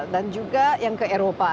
dan juga yang ke eropa